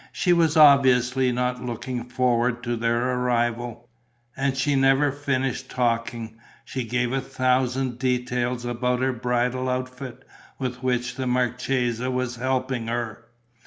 She was obviously not looking forward to their arrival. And she never finished talking: she gave a thousand details about her bridal outfit, with which the marchesa was helping her.